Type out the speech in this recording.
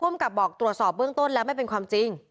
กับบอกตรวจสอบเบื้องต้นแล้วไม่เป็นความจริง